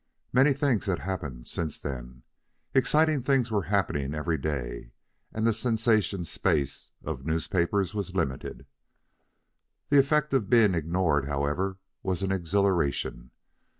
Many things had happened since then. Exciting things were happening every day, and the sensation space of newspapers was limited. The effect of being ignored, however, was an exhilaration.